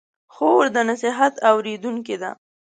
خور د نصیحت اورېدونکې ده.